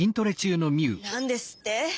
なんですって！